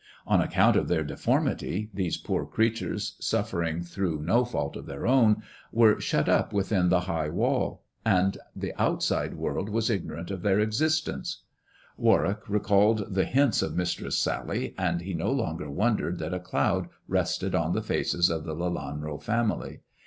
On account o their deformity, these poor creatures, suffering through n< fault of their own, were shut up within the high wall and the outside world was ignorant of their existence Warwick recalled the hints of Mistress Sally, and he nc longer wondered that a cloud rested on the faces of th€ Lelanro family.